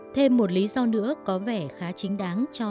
thêm một lý do nữa có vẻ khá chính đáng cho họ